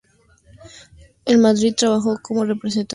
En Madrid trabajó como presentadora de informativos en Telemadrid.